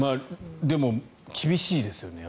でも、厳しいですよね。